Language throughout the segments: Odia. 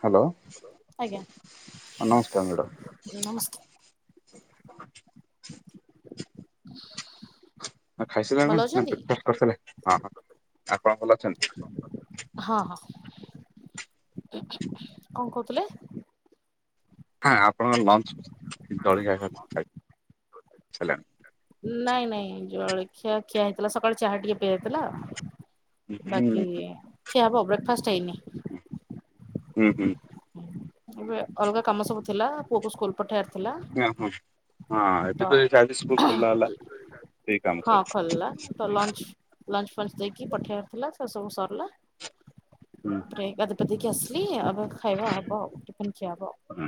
ହ୍ୟାଲୋ। ଆଜ୍ଞା ନମସ୍କାର ମେଡ [unintelligible] [inaudible] ଖାଇସ ଭଲ କଣ ନା ଅଛନ୍ତି ବ୍ରେଫା କରିଥିଲେ? ହଁ ହଁ ଆପଣ ଭଲ ଅଛନ୍ତି? ହଁ ହଁ। କଣ କହୁଥିଲେ? ହଁ ଆପଣଙ୍କ ଲଞ୍ଚ [unintelligible] ନାଇଁ ନାଇଁ ଜଳଖିଆ ଖିଆ ହେଇଥିଲା ସକାଳେ ଚାହା ଟିକେ ପିଆ ହେଇଥିଲା। ହୁଁ ବାକି ଖିଆହବ ବ୍ରେକଫାଷ୍ଟ ହେଇନି। [inaudible] ହୁଁ ହୁଁ। ଏବେ ଅଲଗା କାମ ସବୁ ଥିଲା ପୁଅକୁ ସ୍କୁଲ ପଠେଇବାର ଥିଲା ହୁଁ ହଁ ଏବେ ତ ଆଜି ସ୍କୁଲ ଖୋଲା ହେଲା ସେଇ କାମ ହଁ ସବୁ ଖୋଲିଲା। ତ ଲଞ୍ଚ, ଲଞ୍ଚ ଫଞ୍ଚ ଦେଇକି ପଠେଇବାର ଥିଲା, ସେ ସବୁ ସରିଲା। ହୁଁ, ହୁଁ। ତାପରେ ଗାଧେଇ ପାଧେଇକି ଆସିଲି ଆଉ। ଖାଇବା ହବ ଆଉ। ଟିଫିନ୍ ଖିଆ ହବ। ହୁଁ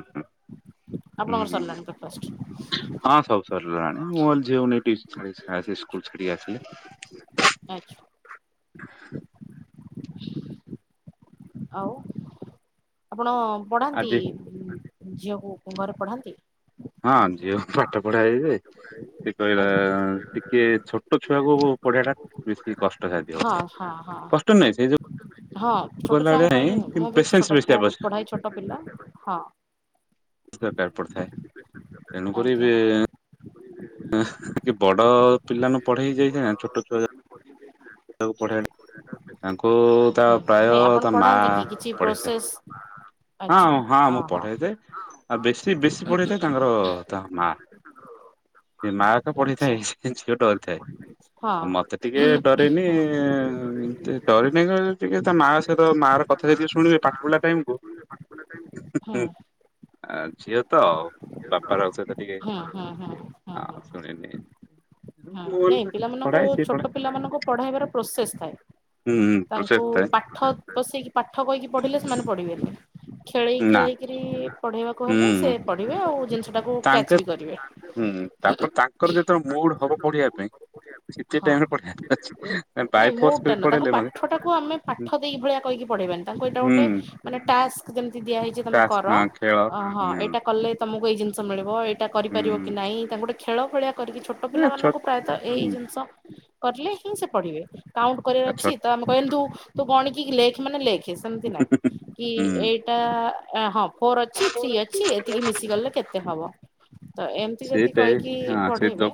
ହୁଁ ଆପଣଙ୍କର ହୁଁ ସରିଲାଣି ବ୍ରେକଫାଷ୍ଟ? ହଁ ସବୁ ସରିଲାଣି। ମୁଁ ଝିଅକୁ ନେଇକି ଟି ସ୍କୁଲ ଛାଡିକି ଆସିଲେ ଆଚ୍ଛା। ଆଉ, ଆପଣ ପଢାନ୍ତି? ଆଜି ଝିଅକୁ ଘରେ ପଢାନ୍ତି? ହଁ, ଝିଅକୁ ପାଠ ପଢାଏ ଯେ ସେ କହିଲା ଆଜ୍ଞା ଟିକେ ଛୋଟ ଛୁଆକୁ ପଢେଇବା ଟା ବେଶୀ କଷ୍ଟ ସାଧ୍ୟ ହଁ ଅଟେ। ହଁ ହଁ କଷ୍ଟ ନୁହେଁ, ସେ ଯୋଉ ହଁ, ଛୋଟ କହିଲା ଛୁଆଙ୍କ ଭଳିଆ ନାହିଁ ପାଇଁ କିନ୍ତୁ ମୁଁ ବି ପେସେନ୍ସ ଛୋଟ ବେଶୀ ପୁଅ ଆବଶ୍ୟକ ପଢାଏ ଛୋଟ ପିଲା। ହଁ। ଦରକାର ପଡିଥାଏ। ତେଣୁକରି ଆଜ୍ଞା ବି କି ବଡ ପିଲା ନ ପଢେଇ ହେଇ ଯାଇଥାଏ ନା ଛୋଟ ଛୁଆ ତାଙ୍କୁ ତା ହୁଁ ପ୍ରାୟ ନାଇଁ ଆପଣ ତା ମା ପଢାନ୍ତି କି କିଛି ପଢେଇଥାଏ। ପ୍ରୋସେସ୍ ଆଚ୍ଛା ହଁ, ହଁ ମୁଁ ଓହୋ। ପଢେଇଥାଏ। ଆଉ ବେଶୀ ବେଶୀ ପଢେଇଥାଏ ତାଙ୍କର ତା ମା। ସେ ମା ଆଚ୍ଛା ପଢେଇଥାଏ ଝିଅ ଡରି ଥାଏ। ହଁ ଆଉ ମତେ ଟିକେ ଡ ହଁ ଏମିତି ଡରି ନାଇଁ କ ଟିକେ ତା ମା ସହିତ ମା ର କଥା ଯଦି ଶୁଣିବେ ପାଠ ପଢା ଟାଇମକୁ ହଁ ଝିଅ ତ ଆଉ ବାପାର ସହିତ ଟିକେ ହୁଁ, ହୁଁ, ହୁଁ। ହଁ ଶୁଣିଲି [unintelligible] ହଁ ନାଇଁ ପିଲାମାନଙ୍କୁ ଛୋଟ ପିଲାମାନଙ୍କୁ ପଢେଇବାର ପ୍ରୋସେସ ଥାଏ। ହୁଁ ପ୍ରୋସେସ ତାଙ୍କୁ ଥାଏ ପାଠ ବସେଇକି ପାଠ କହିକି ପଢିଲେ ସେମାନେ ପଢିବେନି। ଖେଳେଇ ନା ଖେଳେଇକିରି ପଢେଇବାକୁ ହେଲେ ସେ ପଢିବେ। ଆଉ ଜିନଷ ତାଙ୍କର ହୁଁ, ତାପରେ ତାଙ୍କର ଯେତେବେଳେ ମୁଡ ହବ ପଢିବା ପାଇଁ ସେତିକି ହଁ ଟାଇମ୍ ରେ ପଢିବା ଅଛି। ନାଇଁ ବାଇ ମୁଡ଼ ଫୋର୍ସ ଟା କରି ନୁହଁ, ତାଙ୍କୁ ପଢେଇଲେ ମାନେ ପାଠଟାକୁ ଆମେ ପାଠ ଦେଇକି ଭଳିଆ କହିକି ପଢେଇବାନି। ତାଙ୍କୁ ଏଇଟା ହୁଁ ଗୋଟେ ମାନେ ଟାସ୍କ ଯେମିତି ଦିଆ ହେଇଛି ତମେ ତାସ୍ କର। ହଁ ଖେଳ ହଁ, ହୁଁ ଏଇଟା କଲେ ତମକୁ ଏଇ ଜିନିଷ ମିିଳିବ। ଏଇଟା କରିପାରିବ କି ହୁଁ ନାହିଁ। ତାଙ୍କୁ ଗୋଟେ ଖେଳ ଭଳିଆ କରିକି ଛୋ ଛୋଟ ପିଲାମାନଙ୍କୁ ପ୍ରାୟତ ଏଇ ହୁଁ ଜିନିଷ କରିଲେ ହିଁ ସେ ପଢ଼ିବେ। କାଉଣ୍ଟ୍ ଆ କରିବାର ଅଛି ଛୋଟ ତ କହିଲୁ ତୁ ଗଣିକି ଲେଖେ ମାନେ ଲେଖେ ସେମିତି ନାଇ। କି ହୁଁ ଏଇ ହଁ ଫୋର୍ ଅଛି ଥ୍ରୀ ଅଛି ଏତିକି ମିଶି ଗଲେ କେତେ ହବ। ତ ଏମିତି ଯଦି ସେଇଟାଇ କହିକି ହଁ ସେ ଦୋ ପଢ଼େଇବେ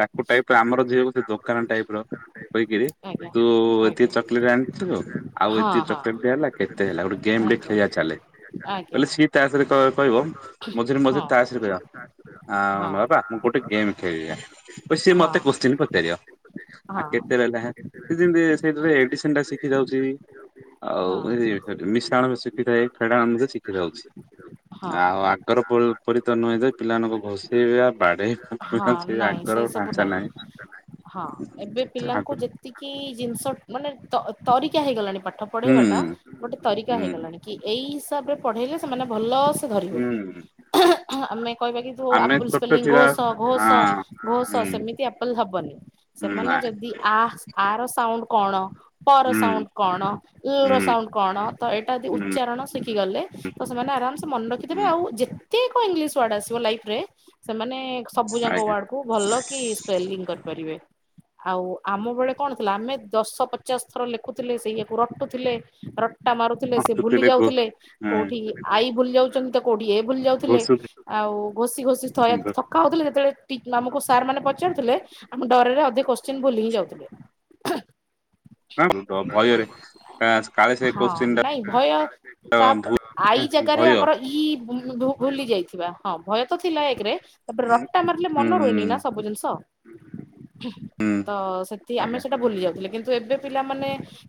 ତାକୁ ଟାଇପ୍ ର ଆମର ଝିଅ ସେ ଦୋକାନ ଟାଇପ୍ ର ହୋଇକିରି, ଆଜ୍ଞା ତୁ ଏତିକି ଆଜ୍ଞା ଚକୋଲେଟ୍ ଆଣିଥିଲୁ ଆଉ ହଁ ଏତିକି ହଁ ଚକଲେଟ୍ ହେଲା କେତେ ହେଲା ଗୋଟେ ଗେମ୍ ଟେ ଆଜ୍ଞା। ଖେଳିବା ଚାଲେ। ଆଜ୍ଞା କହଲେ ସିଏ ତାସ୍ ରେ କ କହିବ, ମଝିରେ ହଁ ମଝିରେ ତାସ୍ ରେ କହିବ। ଆଉ ହଁ ନୂଆ ବାବା ମୁଁ ଗୋଟେ ଗେମ୍ ଖେଳିବା। ସିଏ ହଁ ମତେ କୋଶ୍ଚିନ୍ ପ ପଚାରିବ। ହଁ ଆ କେତେ ରହିଲା ଯେମିତି ସେ ଏଡିସିନ୍ ଟା ଶିଖି ଯାଉଚି ହଁ ଆଉ ମିଶ୍ରାଣ ଶିକ୍ଷିଯାଏ ଫେଡ଼ାଣ ମଧ୍ୟ ଶିକ୍ଷି ଯାଉଛି। [unintelligible] ହଁ ଆଉ ଆଗର ପ ପରି ତ ନୁହେଁ ଯେ ପିଲାମାନଙ୍କ ଘୋଷେଇବା ହଁ ବାଡେଇବା, ସେ ନାଇଁ ଆଗର ସବୁ ଫାଞ୍ଚା ନାଇଁ ନାହିଁ। ହଁ, ଏବେ କିନ୍ତୁ ପିଲାଙ୍କୁ ଆଗରୁ ଯେ ଯେତିକି ଜିନିଷ ମାନେ ତ ତରିକା ହେଇଗଲାଣି ପାଠ ହୁଁ ପଢ଼େଇବା ଟା ଗୋଟେ ତରିକା ହୁଁ ହେଇଗଲାଣି। କି ଏଇ ହିସାବରେ ପଢ଼େଇଲେ ସେମାନେ ଭଲ ସେ ଧରିବେ। ହୁଁ ଆମେ କହିବା କି ଯଉ ଆମେ ଆପୁଲ୍ ଛୋଟ ସ୍ପେଲିଂ ଥିଲା ଘୋଷ ଘୋଷ ହଁ ଘୋଷ ହୁଁ ସେମିତିଆ କହିଲେ ହବନି ହୁଁ ସେମାନେ ନାଇଁ ଯଦି ଆ ଆର ସାଉଣ୍ଡ୍ କଣ। ପର ହୁଁ ସଉଣ୍ଡ୍ କଣ ଏଲ୍ ହୁଁ ସଉଣ୍ଡ୍ କଣ ତ ଏଇଟା ଯଦି ହୁଁ ଉଚ୍ଚାରଣ ଶିଖି ଗଲେ ତ ସେମାନେ ଆରାମ୍ ସେ ମନେ ରଖିଦେବେ ହୁଁ ଆଉ ଯେ କେତେକ ଇଂଲିଶ୍ ୱାର୍ଡ ଆସିବ ଲାଇଫ୍ ରେ ସେମାନେ ସବୁ ଯାକ ଆଜ୍ଞା ୱାର୍ଡ କୁ ଭଲ କି ସ୍ପେଲିଂ କରିପାରିବେ। ଆଉ ଆଉ ଆମ ବେଳେ କଣ ଥିଲା ଆମେ ଦଶ ପଚାଶ୍ ଥର ଲେଖୁଥିଲେ ସେଇୟାକୁ ରଟୁଥିଲେ ର ଟା ମାରୁଥିଲେ ହଁ ସେ ଭୁଲି ଘୋଷୁଥିଲେ ଘୋ ଯାଉଥିଲେ ହଁ କୋଉଠି ଆଈ ଭୁଲି ଯାଉଛନ୍ତି ତ କୋଉଟି ଏ ଭୁଲି ଯାଉଥିଲେ ଘୋଷୁ ଆଉ ଘୋଷି ଘୋଷି ଥୟା ଥକା ହଉଥିଲେ ସେତେବେଳେ ଟିକ୍ ଆମକୁ ସାର୍ ମାନେ ପ ଚାରୁ ଥିଲେ ଆମେ ଡରରେ ଅଧେ କୋଚେନ୍ ଭୁଲିି ହିଁ ଯାଉଥିଲେ। ହଁ ଭୟରେ କା କାଳେ ସେ ହଁ କୋଶ୍ଚିନ୍ ଟା ନାଇ ଭୟ ତାପ ଆଇ ଭୁଲ୍ ଜାଗାରେ ଭୟ ଆମର ଇ ଭୁ ଭୁଲି ଯାଇ ଥିବା ହଁ ଭୟ ତ ଥିଲା ଏକେରେ ତାପରେ ହୁଁ ରଟା ମାରିଲେ ମନ ରୁହେନି ନା ସବୁ ଜିନିଷ। ହୁଁ ତ ସେଠି ଆମେ ଆଜ୍ଞା ସେଇଟା ଭୁଲି ଯାଉଥିଲେ କିନ୍ତୁ ଏବେ ପିଲାମାନେ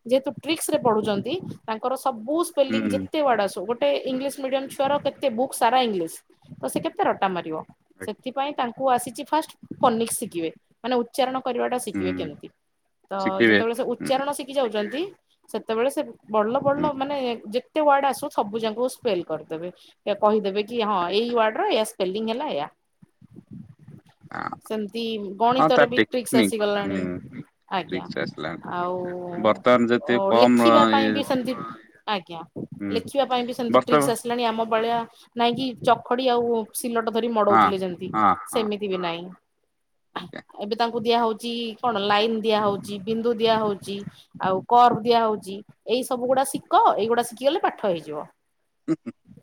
ଯେହେତୁ ଟ୍ରିକ୍ସ୍ ରେ ପଢ଼ୁଚନ୍ତି ତାଙ୍କର ସବୁ। ସ୍ପେଲିଙ୍ଗ୍ ହୁଁ ଯେତେ ଉଆଡ୍ ଆସୁ ଗୋ ଗୋଟେ ଇଂଲିସ୍ ମିଡିୟମ୍ ଛୁଆର କେତେ ବୁକ୍ ସାରା ଇଂଲିଶ୍ ତ ସେ କେତେ ରଟା ମାରିବ ସେଥିପାଇ ତା କୁ ଆସିଛି ଫାଷ୍ଟ୍ ଫନିକ୍ ଶିଖିବେ। ମାନେ ଉଚ୍ଚାରଣ କରିବା ଟା ଶିଖିବେ ହୁଁ କେମିତି ତ ଶିଖିବେ ଯେତେବେଳେ ସେ ହୁଁ ଉଚ୍ଚାରଣ ଶି ଖି ଯାଉଛନ୍ତି ସେତେବେଳେ ସେ ବଲ ହୁଁ ବଡ ମାନେ ଯେ ତେ ୱାର୍ଡ ଆସୁ ସବୁ ଯାଙ୍କୁ ସ୍ପେଲ୍ କରିଦେବେ କହିଦେବେ କି ହଁ ଏଇ ୱାର୍ଡର ଏୟା ସ ସ୍ପେଲିଙ୍ଗ୍ ହେଲା ଏୟା। ହଁ ସେମତି ତା ଗଣିତରେ ବି ଟ୍ରିକ୍ସ୍ ଟେକ୍ନିକ୍ ଆସିଗଲାଣି ହୁଁ ଠିକ୍ ଆଜ୍ଞା। ସେ ଆସିଲାଣି ଆଉ ବର୍ତ୍ତମାନ ଯେତେ ଓ କମ୍ ଲେଖିବା ଇଏ ପାଇଁ ବି ସେମତି ଆଜ୍ଞା। ହୁଁ ଲେଖିବା ପାଇଁ ବି ସେମିତି ଟ୍ରିକ୍ସ୍ ବର୍ତ୍ତମାନ ଆସି ଲାଣି ଆମ ଭଳିଆ ନାଇଁକି ଚଖଡି ଆଉ ସିଲଟ ଧରି ହଁ ମଡ଼ଉଥିଲେ ଯେମିତି ହଁ ହଁ ସେମି ତିବି ନାଇ। ଆଜ୍ଞା ଏବେ ତାଙ୍କୁ ଦିଆ ହଉଛି କଣ ଲାଇନ୍ ଦିଆ ହଉଛି ବିନ୍ଦୁ ଦିଆ ହଉଛି। ଆଉ କର୍ବ ଦିଆ ହଉଛି ଏଇ ସବୁ ଗୁଡା ଶିଖ ଏଇଗୁଡା ଶିଖିଗଲେ ପାଠ ହେଇଯିବ।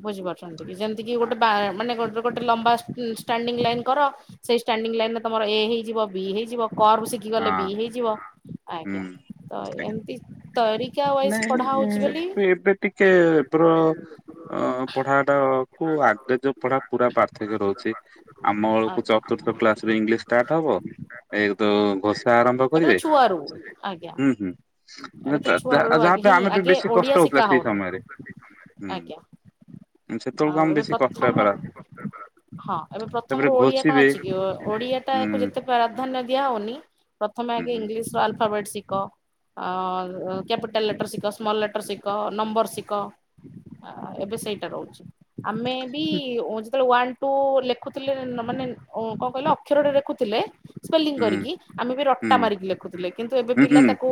ବୁଝିପାରୁଛନ୍ତି କି ଯେମିତି କି ଗୋଟେ ବା ଆଜ୍ଞା ମାନେ ଗୋ ଗୋଟେ ଲମ୍ବା ଷ୍ଟାଣ୍ଡିଙ୍ଗ୍ ଲାଇନ୍ କର ସେଇ ଷ୍ଟାଣ୍ଡିଙ୍ଗ୍ ଲାଇନ୍ ରେ ତମର ଏ ହେଇଯିବ ବି ହେଇଯିବ କର୍ବ ଗଲେ ହଁ ବି ହେଇଯିବ ଆଜ୍ଞା ହୁଁ ତ ଏମତି ତରିକା। ୱାଇଜ ପଢା ହଉଛି ନାଇ ବୋଲି ଏବେ ଟିକେ ବ୍ର ଅ ପଢ଼ା ଟା କୁ ଆଗ ଯଉ ପଢ଼ା ପୁରା ପାର୍ଥକ୍ୟ ରହୁଛି। ଆମ ବେଳକୁ ଆଜ୍ଞା ଚତୁର୍ଥ କ୍ଲାସ ରେ ଇଂଲିଶ ଷ୍ଟାର୍ଟ ହବ। ଏ ତ ଘୋଷା ଆରମ୍ଭ ଏବେ ତ କରିବେ ଛୁଆରୁ ଆଜ୍ଞା ହୁଁ ହୁଁ ଏବେ ତ ଛୁଆ ବେଳୁ ଯାହା ଆଗେ ପାଇଁ ହିଁ ଆମେ ବି ଆଗେ ବେଶୀ ଓଡିଆ କଷ୍ଟ ଶିଖା ହଉଥିଲା ସେଇ ହଉନି ସମୟରେ ହୁଁ। ଆଜ୍ଞା ସେତେବେଳକୁ ଆଉ ଆମେ ଏବେ ବେଶୀ କଷ୍ଟ ପ୍ରଥମ ହେଇପାରିଲା ରୁ ହଁ ଏବେ ତାପରେ ପ୍ରଥମରୁ ଓଡିଆ କଣ ଘୋଷିବେ ଅଛି କି ଓଡିଆ ହୁଁ ଟାକୁ ଯେତେ ପ୍ରାଧାନ୍ୟ ଦିଆ ହଉନି ପ୍ରଥମେ ହୁଁ। ଆଗେଇଂଲିଶ ର ଆଲଫାବେଟ୍ ଶିଖ। ଅ କ୍ୟାପିଟଲ ଲେଟର୍ ଶିଖ ସ୍ମଲ ଲେଟର୍ର ଶିଖ ନମ୍ବର ଶିିକ। ଏବେ ସେଇଟା ରହୁଛି ଆମେ ବି ଯେତେବେଳେ ୱାନ୍ ଟୁ ଟୁ ଲେଖୁଥିଲେ ମାନେ କଣ କହିଲେ ଅକ୍ଷରଟେ ଲେଖୁଥିଲେ ସ୍ପେଲିଂ ହୁଁ ହୁଁ କରିକି ଆମେ ବି ହୁଁ ରଟା ହୁଁ ମାରିକି ଲେଖୁଥିଲେ କିନ୍ତୁ ଏବେ ପିଲା ହୁଁ ତାକୁ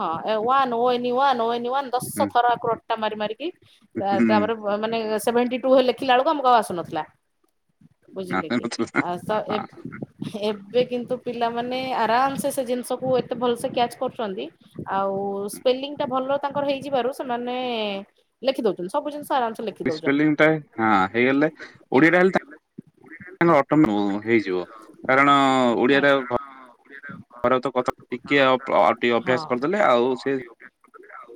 ହଁ ୱନ ଏନିଇୱନ ଏନିଇୱନ ଦଶ ଥର ଏକୁ ରଟା ମାରି ମାରିକି ହୁଁ। ତାପରେ ମାନେ ସେଭେଣ୍ଟି ଟୁ ଲେଖିଲା ବେଳକୁ ଆମକୁ ଆଉ ଆସୁନଥିଲା ବୁଝିଲେ କି। ତ ଏ ଏବେ କିନ୍ତୁ ପିଲାମାନେ ଆରାମସେ ସେ ଜିନିଷକୁ ଏତେ ଭଲସେ କ୍ୟାଚ୍ କରୁଚନ୍ତି ଆଉ ସ୍ପେଲିଂ ଟା ଭଲ ତାଙ୍କର ହେଇଯିବାରୁ ସେମାନେ ଲେଖି ଦଉଛନ୍ତି ସବୁ ଜିନିଷ ଆରାମ ସ୍ପେଂଲିଟା ହଁ ହେଇଗଲେ ଓଡିଆଟା ହେଲେ ତା ତାଙ୍କ ଅଟୋମେଟ ହେଇଯିବ କାରଣ ଓଡିଆ ଟା ଆଜ୍ଞା ଘରେ ତ କଥା ଟିକେ ଅଟିକେ ହଁ ଅଭ୍ୟାସ କରିଦେଲେ ଆଉ ସେ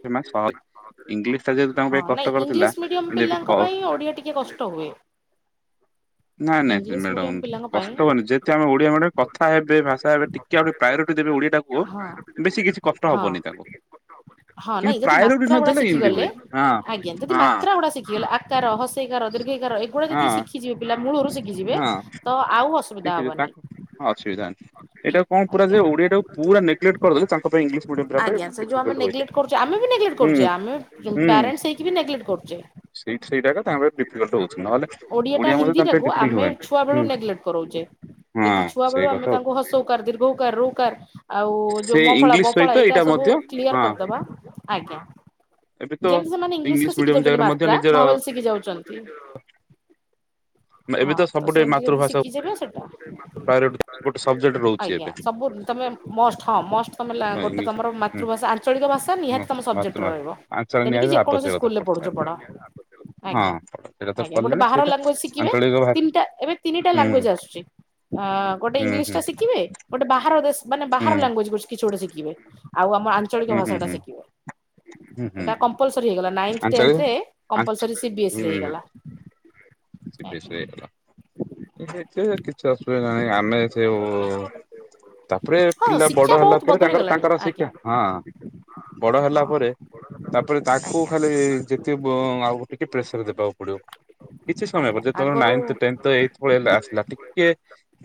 ସେମାନେ ସହଜ ଇଂଲିଶ ଟା ଯେହେତୁ ତାଙ୍କ ହଁ ପାଇଁ ନାଇଁ ଇଂଲିଶ କଷ୍ଟକରଥିଲା ମିଡିୟମ କିନ୍ତୁ ଏବେ ପିଲାଙ୍କ ପାଇଁ ଓଡିଆ ଟିକେ କଷ୍ଟ ହୁଏ। ନାଇଁ ନାଇଁ ସେ ଇଂଲିଶ ମିଡିୟମ ମ୍ୟାଡାମ ପିଲାଙ୍କ ପାଇଁ କଷ୍ଟ ହବନି ଯେହେତୁ ଆମେ ଓଡିଆ ମ୍ୟାଡାମ କଥା ହେବେ ଭାଷା ହେବେ ଟି କେ ଆଉଟିକେ ପ୍ରାୟୋରିଟି ଦେବେ ଓଡିଆଟାକୁ ହଁ ବେଶୀ କିଛି କଷ୍ଟ ହଁ ହବନି ତାଙ୍କୁ। ହଁ କିନ୍ତୁ ନାଇଁ ଯଦି ପ୍ରାୟୋରିଟି ମାତ୍ରା ଗୁଡା ନଦେଲେ ଶିଖି ଏମିତି ଗଲେ, ହୁଏ ହଁ। ଆଜ୍ଞା ଯଦି ହଁ ମାତ୍ର ଗୁଡା ଶିଖିଗଲେ ହସେଇକାର ଦୀର୍ଘାଇକାର ଏଗୁଡା ହଁ ଯଦି ଶିଖିଯିବେ ପିଲା ମୂଳରୁ ଶିିଖିଯିବେ ତ ଆଉ ଅସ ତା ହଁ ଅସୁବିଧା ଏଇଟା କଣ ପୁରା ଆଜ୍ଞା। ଯେ ଓଡିଆ ଟାକୁ ପୁରା ନେଗ୍ଲେଟ୍ କରିଦେଲେ ତା ଆଜ୍ଞା ସେ ଯୋଉ ଆମେ ନେଗ୍ଲେଟ୍ କରୁଛେ ଆମେ ବି ନେଗ୍ଲେଟ କରୁଛେ ହୁଁ ଆମେ ବି ପ୍ୟାରେଣ୍ଟସ ହେଇକି ବି ନେଗ୍ଲେଟ କରୁଛେ। ସେଇ ସେଇଟା ତାଙ୍କପାଇଁ ଡିଫିକଲ୍ଟ ହଉଛି। ନହେଲେ ଓଡିଆ ଟା ମଧ୍ୟ ହିନ୍ଦୀ ତାଙ୍କ ପାଇଁ ଟାକୁ ଡିଫିକଲ୍ଟ ଆମେ ହୁଏନି। ଛୁଆ ବେଳୁ ହୁଁ ନେଗ୍ଲେଟ୍ କରଉଚେ। ଯଦି ହଁ ଛୁଆ ବେଳୁ ସେଇ ଆମେ କଥା ହଉଛି ତାଙ୍କୁ ହସଉ ଊକାର ଦୀର୍ଘ ଉ କାର ଋ କାର ଆଉ ଯୋଉ ସେ ମଫଳା ଇଂଲିଶ ବଫଳା ସହିତ ଏଇଟା ସବୁ ମଧ୍ୟ କ୍ଲିଅର ହଁ କରିଦବା ଆଜ୍ଞା ଏବେ ତ ଯେମିତ୍ ସେମାନେ ଇଂଲିଶ ରେ ଶିଖି ମିଡିୟମ ଯାଉଛନ୍ତି ଜାଗାରେ ମଧ୍ୟ ମାତ୍ରା ନିଜର ଭାୱେଲ ଶିଖି ଯାଉଚନ୍ତି। ଏବେ ହଁ ତ ସବୁଠେ ସେମିତି ଯଦି ମାତୃଭାଷା ଶିଖିଯିବ ସେଟା, ପ୍ରାୟୋରିଟି ଗୋଟେ ସବଜେକ୍ଟ ରହୁଛି ଆଜ୍ଞା ଏବେ ସବୁ ତମେ ମଷ୍ଟ ହଁ ମଷ୍ଟ ତମେ ହଁ ଗୋଟେ ଇଂଲିଶ ତମର ହୁଁ ମାତୃଭାଷା ଆଞ୍ଚଳିକ ଭାଷା ହଁ ନିହାତି ତମ ସବଜେକ୍ଟେରେ ମାତୃଭାଷା ରହିବ। ଆଞ୍ଚଳିକ ତେଣିକି ନିହାତି ଯେକୌଣସି ଆବଶ୍ୟକତା ସ୍କୁଲ୍ ରେ ପଡିଥାଏ। ପଢୁଛୁ ପଢ ହଁ ଆଜ୍ଞା ସେଇଟା ତ ଆଜ୍ଞା ଗୋଟେ କଲେଣି ବାହାର ସେଇଟା ଲାଙ୍ଗୁଏଜ୍ ଶି ଆଞ୍ଚଳିକ ଭାଷା ତିନିଟା ଏବେ ତିନିଟା ହୁଁ ଲାଙ୍ଗୁଏଜ୍ ଆସୁଚି। ଅ ଗୋଟେ ହୁଁ ଇଂଲିଶ ହୁଁ ଟା ଶିଖିବେ ଗୋଟେ ବାହାର ଦେଶ ମାନେ ହୁଁ ବାହାର ଲାଙ୍ଗୁଏଜ୍ କିଛି ଗୋଟେ ଶିଖିବେ। ଆଉ ଆମ ଆଞ୍ଚଳିକ ହୁଁ ହୁଁ ଭାଷାଟା ହୁଁ ଶିଖିବେ ହୁଁ ହୁଁ ଏଇଟା କମ୍ପଲସରି ହେଇଗଲା ନାଇଥି, ଟେନଥ ଆଞ୍ଚଳିକ ରେ ଆଞ୍ଚ କମ୍ପଲସରି ସି ବିଏସ୍ ରେ ହୁଁ ହେଇଗଲା। ଆଜ୍ଞା କିଛି ଅସୁବିଧା ନାହିଁ ଆମେ ସେଉ ତାପରେ ହଁ ପିଲା ଶିକ୍ଷା ବଡ ହେଲା ବହୁତ ପରେ ବଦଳି ତାଙ୍କର ଗଲାଣି ତାଙ୍କର ଆଜ୍ଞା ଶିକ୍ଷା ହଁ। ବଡ ହେଲା ପରେ ତାପରେ ତାଙ୍କୁ ଆଜ୍ଞା। ଖାଲି ଯେତିକ ଉଁ ଆଉ ଟିକେ ପ୍ରେସର ଦେବାକୁ ପଡିବ। କିଛି ସମୟ ପରେ ଆଜ୍ଞା ଯେ ତମର ଆଗରୁ ନାଇଥ୍ ଟେନଥ୍ ଏଇତ ପଳେଇ ଆସିଲା ଟିକେ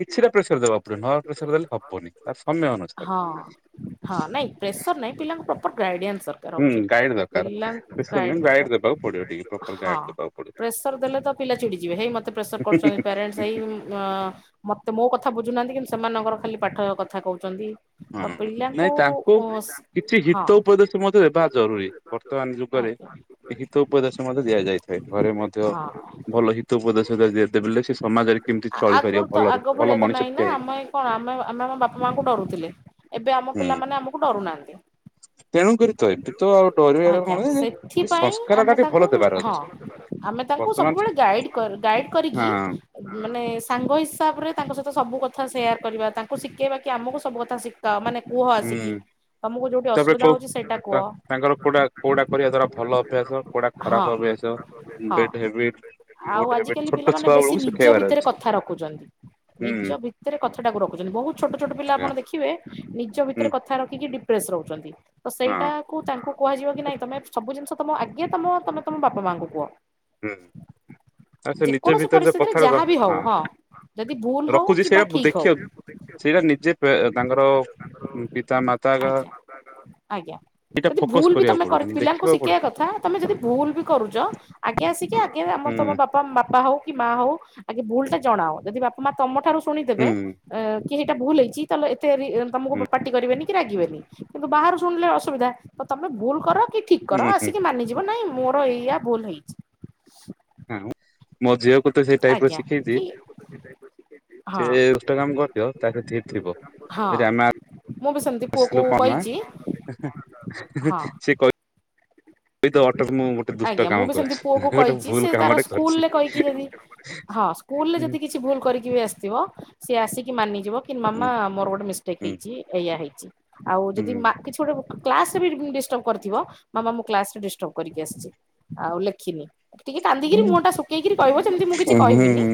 କିଛିଟା ପ୍ରେସର ଦେବାକୁ ପଡିବ ନ ପ୍ରେସର ଦେଲେ ହବନି ତା ସମୟ ଅନୁସାରେ। ହଁ ହଁ ନାଇଁ ପ୍ରେସର ନାହିଁ ପିଲାଙ୍କୁ ପ୍ରପର୍ ଗାଇଡିଆନ୍ସ ଦରକାର। ହୁଁ ହଉଛି। ଗାଇଡ ଦରକାର ପିଲାଙ୍କୁ ସିସମେଡ ଦରକାର। ଗାଇଡ ଦବାକୁ ପଡିବ ଟିକେ। ପ୍ରପର ହଁ ଗାଇଡ ଦେବାକୁ ପଡିବ ପ୍ରେସର ଦେଲେ ତ ପିଲା ଚିଡିଯିବେ ହେଇ ମତେ ପ୍ରେସର କରୁଚନ୍ତି ପ୍ୟାରେଣ୍ଟସେ ହେଇ ଅ ମତେ ମୋ କଥା ବୁଝୁନାହାଁନ୍ତି କିନ୍ତୁ ସେମାନଙ୍କର ଖାଲି ପାଠ କଥା କହୁଚନ୍ତି। ହଁ ନାଇଁ ତାଙ୍କୁ କିଛି ହଁ ହିତ ଉପଦେଶ୍ ମଧ୍ୟ ଦେବା ଜରୁରୀ ବର୍ତ୍ତମାନ ଯୁଗରେ ଆଜ୍ଞା ହିତ ଉପଦେଶ ମଧ୍ୟ ଦିଆଯାଇଥାଏ ଘରେ ମଧ୍ୟ ଧ୍ୟ ହଁ ଭଲ ହିତ ଉପଦେଶ ଦି ଦେଲେ ସେ ସମାଜରେ କେମିତି ଆଗରୁ ଚଳିପାରିବ ତ ଭଲରେ ଆଗ ଭଳିଆ ଭଲ ତ ନାଇଁ ମଣିଷ ନା ଟିଏ ହେ ଆମେ କଣ ଆମେ ଆମେ ଆମ ବାପା ମାଆଙ୍କୁ ଡରୁଥିଲେ ଏବେ ଆମ ପିଲାମାନେ ଆମକୁ ଡରୁନାହାନ୍ତି। ତେଣୁ କରିିତ ଏତେ ଆଜ୍ଞା ସେଥିପାଇଁ ସଂସ୍କାର ଟା ଆମେ ଟିକେ ଭଲ ତାଙ୍କୁ ଦେବାର ହଁ ଅଛି ଆମେ ତାଙ୍କୁ ବର୍ତ୍ତମାନ ସବୁବେଳେ ଗାଇଡ ଗାଇଡ଼ କରିକି ହଁ ମାନେ ସାଙ୍ଗ ହିସାବରେ ତାଙ୍କ ସହିତ ସବୁ କଥା ସେୟାର କରିବା ତାଙ୍କୁ ଶିଖେଇବା କି ଆମକୁ ସବୁ କଥା ଶିଖ ମାନେ କୁହ ଆସିକି ହୁଁ ତମକୁ ଯୋଉଠି ତାପରେ ଅସୁବିଧା କୋଉ ହଉଛି ସେଇଟା ତା କୁହ। ତାଙ୍କର କୋଉଟା କୋଉଟା କରିବା ଦ୍ଵାରା ଭଲ ଅଭ୍ୟାସ, କୋଉଟା ହଁ ଖରାପ ହଁ ଅଭ୍ୟାସ। ଗୁଡ୍ ଆଉ ହବିଟ ଆଜିକାଲି ଛୋଟ ପିଲାମାନେ ଛୁଆ ବେଶୀ ବେଳକୁ ନିଜ ଶିଖେଇବାର ଭିତରେ ଅଛି କଥା ରଖୁଛନ୍ତି। ହୁଁ ନିଜ ଭିତରେ କଥାଟାକୁ ରଖୁଛନ୍ତି ବହୁତ ଛୋଟ ଛୋଟ ପିଲା ଆଜ୍ଞା ଆପଣ ଦେଖିବେ ନିଜ ହୁଁ ଭିତରେ କଥା ରଖିକି ଡିପ୍ରେସ ରହୁଛନ୍ତି ତ ହଁ ସେଇଟାକୁ ତାଙ୍କୁ କୁହାଯିବ କି ନାଇଁ ତମେ ସବୁିଜିନଷ ତମ ଆଗେ ତମ ତମେ ତମ ବାପା ମାଆଙ୍କୁ କୁହ। ହୁଁ। ଆ ସେ ନିଜ ଯେକୌଣସି ଭିତରେ ଯୋଉ ପରିସ୍ଥିତିରେ କଥା ର ଯାହା ବି ହଉ ହଁ ଯଦି ଭୁଲ ହଉ ରଖୁଛି। କିମ୍ବା ସେଇଆ ଠିକ ହଉ ଦେଖିବା। ସେଇଟା ନିଜେ ତାଙ୍କର ପିତା ମାତା ଆଜ୍ଞା ଆଜ୍ଞା ଏଇଟା ଯଦି ଫୋକସ ଭୁଲ୍ ବି କରିବାକୁ ତମେ ପଡିବ କରି କିନ୍ତୁ ପିଲାଙ୍କୁ ଦେଖିବାକୁ ପଡିବ ଶିଖେଇବା କଥା ତମେ ଯଦି ଭୁଲ୍ ବି କରୁଚ ଆଗେ ଆସିକି ଆଗେ ଆମ ତମ ହୁଁ ବାପା ବାପା ହଉ କି ମା ହଉ ଭୁଲ୍ ଟା ଜଣାଅ ଯଦି ବାପ ମା ତମ ଠାରୁ ଶୁଣିଦେବେ ହୁଁ ଅ କି ଏଇଟା ଭୁଲ୍ ହେଇଛି ତାହେଲେ ଏତେ ରି ତମକୁ ପାଟି କରିବେନି କି ରାଗିବେନି। କିନ୍ତୁ ବାହାରୁ ଶୁଣିଲେ ଅସୁବିଧା। ତ ତମେ ଭୁଲ୍ କର କି ଠିକ୍ କର ହୁଁ ହୁଁ ଆସିକି ମାନିଯିବ ନାଇଁ ମୋର ଏଇଆ ଭୁଲ ହେଇଛି। ମୋ ଝିଅକୁ ତ ସେଇ ଟାଇପ୍ ର ଆଜ୍ଞା ଶିଖେଇଛି। କି ହଁ ସେ ଏଷ୍ଟା କାମ କରିଥିବ ତା ସେ ଥି ଥିବ ହଁ ଯଦି ଆମା ମୁଁ ବି ସେମିତି ପୁଅକୁ ଆସିଲୁ କନ୍ ମା କହିଛି ହଁ ସେ କହ ଦୁଷ୍ଟ ଆଜ୍ଞା କାମ ମୁଁ ବି ସେମତି କରିଛି ପୁଅକୁ ଗୋଟେ କଇଚି ଭୁଲ ସେ ତାର କାମଟେ କରିଛି। ସ୍କୁଲ ରେ କହିକି ଯଦି ହଁ ସ୍କୁଲ ରେ ଯଦି ହୁଁ କିଛି ଭୁଲ୍ କରିକି ବି ଆସିଥିବ। ସିଏ ଆସିକି ମାନିଯିବ କି ମାମା ହୁଁ ମୋର ଗୋଟେ ମିଷ୍ଟେକ୍ ହୁଁ ହେଇଛି ଏଇଆ ହେଇଛି। ଆଉ ଯଦି ମା କିଛି ଗୋଟେ କ୍ଲାସ୍ ବି ଡିଷ୍ଟର୍ବ କରିଥିବ ମାମା ମୁଁ କ୍ଲାସ୍। ଡିଷ୍ଟର୍ବ କରିକି ଆସିଛି ଆଉ ଲେଖିନି। ଟିକେ କାନ୍ଦିକିରି ମୁହଁ ଟା ଶୁକେଇକିରି କହିବ ସେମିତି ମୁଁ କିଛି କହିବିନି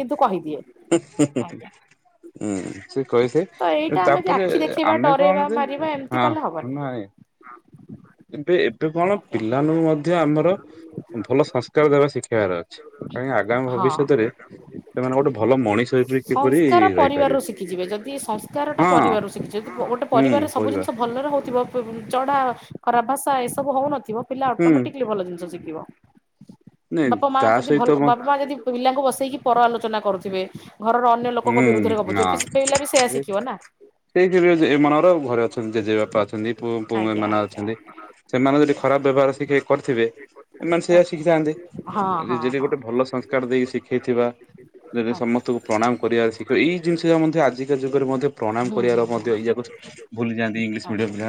କିନ୍ତୁ କହିଦିଏ। ହୁଁ ହୁଁ ଆଜ୍ଞା। ହୁଁ ହୁଁ। ସେ ତ କହିଥାଏ ଏଇଟା ଆମେ ତାପରେ ଆଖି ଦେଖେଇବା ଆମେ କଣ ଡରାଇବା ଯେ ମାରିବା ଏମିତି ହଁ କଲେ ନାଇଁ ହବନି। ଏବେ ଏବେ କଣ ଆଜ୍ଞା ପିଲାମାନଙ୍କୁ ମଧ୍ୟ ଆମର ଭଲ ସଂସ୍କାର ଦେବା ଶିଖେଇବାର ଅଛି। କାଇଁ ଆଗାମୀ ହଁ। ଭବିଷ୍ୟତରେ ସେମାନେ ଗୋଟେ ଭଲ ମଣିଷ ହେବେ କିପରି ରହିପାରିବେ। ସଂସ୍କାର ଟା ହଁ ପରିବାରରୁ ଶିଖିଛି ଯେ ଗୋଟେ ହୁଁ ପରିବରେ ସବୁ ପରିବା ଜିନିଷ ଭଲରେ ହଉଥିବ ଚଢା ଖରାବ୍ ଭାଷା ଏସବୁ ହଉନଥିବ ପିଲା ହୁଁ ଅଟୋମେଟିକଲି ଭଲ ଜିନିଷ ଶିଖିବ ନାଇଁ ବାପା ମା ତା ଯଦି ସହିତ ଭଲ ମ ବାପା ଯଦି ପିଲାଙ୍କୁ ବସେଇକି ପର ଆଲୋଚନା କରୁଥିବେ ଘରର ଅନ୍ୟ ଲୋକଙ୍କ ହୁଁ ବିରୁଦ୍ଧରେ ଗପୁଥିବେ ନା ପିସ୍ ପିଲା ବି ସେୟା ଶିଖିବ ନା। ସେଇଥିରେ ଯେ ଏମାନଙ୍କର ଘରେ ଅଛନ୍ତି ଜେଜେ ବାପା ଅଛନ୍ତି ପୁଅ ପୁଅ ଆଜ୍ଞା ଏମାନେ ଆଜ୍ଞା ଅଛନ୍ତି। ସେମାନେ ଯଦି ଖରାପ ବ୍ୟବହାର ଶିଖେଇ କରିଥିବେ ଏମାନେ ଆଜ୍ଞା ସେଇଆ ଆଜ୍ଞା ଶିଖିଥାନ୍ତି ହଁ ହଁ ଯଦି ହଁ ଗୋଟେ ଭଲ ସଂସ୍କାର ଦେଇ ଶିଖେଇଥିବା ତେବେ ଆଜ୍ଞା ସମସ୍ତଙ୍କୁ ପ୍ରଣାମ କରିବାରେ ଶିଖିବ। ଏଇ ଜିନିଷ ମଧ୍ୟ ଆଜିକା ଯୁଗରେ ମଧ୍ୟ ପ୍ରଣାମ ହୁଁ କରିବାର ହୁଁ ହୁଁ। ମଧ୍ୟ ଏଇ ଯାକ ଭୁଲିଯାଆନ୍ତି। ଇଂଲିଶ ଆଜ୍ଞା ମିଡିୟମ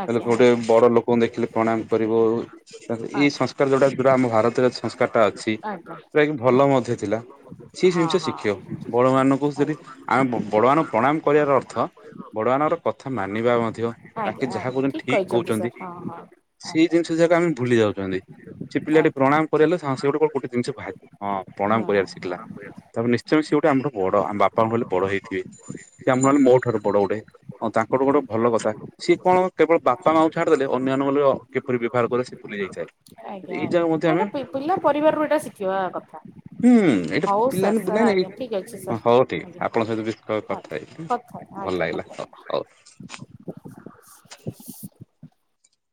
ଆଜ୍ଞା ଗୋଟେ ଆଜ୍ଞା ବଡ ଲୋକ କଣ ଦେଖିଲେ ପ୍ରଣାମ କରିବ ଏଇ ଆଜ୍ଞା ସଂସ୍କାର ଯୋଉଟା ଯଉଟା ଆମ ଭାରତରେ ସଂସ୍କାରଟା ଅଛି। ଆଜ୍ଞା ଭଲ ମଧ୍ୟ ଥିଲା ସିଏ ହଁ ଜିନିଷ ହଁ ଶିଖିବ। ବମାନାନଙ୍କୁ ଯଦି ଆମେ ବଡ଼ମାନାନଙ୍କୁ ପ୍ରଣାମ କରିବାର ଅର୍ଥ ବଡମାନାନଙ୍କର କଥା ମାନିବା ମଧ୍ୟ ଆଜ୍ଞା ତାଙ୍କେ ଆଜ୍ଞା ଯାହା ଆଜ୍ଞା କହୁଛନ୍ତି ଠିକ କହିଛନ୍ତି ସାର୍ କହୁଚନ୍ତି। ହଁ ହଁ ସେଇ ଆଜ୍ଞା। ଜିନିଷ ଯାକ ଆମେ ଭୁଲି ଯାଉଚନ୍ତି। ସେ ପିଲାଟି ଆଜ୍ଞା ପ୍ରଣାମ କରେ ଏଲେ ହଁ ସେ ଗୋଟେ କ ଅ ଗୋଟେ ଜିନିଷ ବାହାର, ହଁ ପ୍ରଣାମ କରିବା ଶିଖିଲା ହଁ ତାପରେ ନିସ୍ ସିଏ ହଉଚି ସିଏ ଗୋଟେ ଆମଠୁ ବଡ ଆମ ବାପାଙ୍କ ହେଲେ ବଡ ହେଇଥିଏ। ସେ ହଁ ଆମହଲେ ମୋ ଠାରୁ ବଡ ଗୋଟେ, ହଁ ତାଙ୍କଠୁ ଗୋଟେ ଭଲ କଥା ସିଏ କଣ କେବଳ ବା ବାପା ମାଙ୍କୁ ଛାଡିଦେଲେ ଅନ୍ୟାନ୍ୟଙ୍କୁ ଅ କିପରି ବ୍ୟବହାର କରେ ସେ ଭୁଲି ଯାଇଥାଏ। ଆଜ୍ଞା ଏଇ ଯାକ ଆଜ୍ଞା ମଧ୍ୟ ଆମେ ଏଇଟା ପି-ପିଲା ପରିବାରରୁ ଏଇଟା ଶିଖିବା କଥା। ହୁଁ ଏଇଟା ହଉ ସାର୍ ପିଲାମାନେ ନାଇଁ ସାର୍ ନାଇ ଆଜ୍ଞା ଠିକ୍ ଅଛି ହଁ ସାର୍ ହଉ ଠିକ୍ ଆଜ୍ଞା ଆପଣଙ୍କ ସହିତ ବି କ-କଥା ହେଇ କଥା ଭଲ ଆଜ୍ଞା ଲାଗିଲା ହଉ କଥା ହଉ।